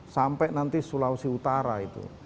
sampai nanti sulawesi utara itu